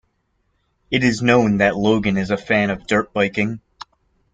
It is known that Logan is a fan of dirt biking.